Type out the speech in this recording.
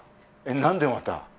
何でまた？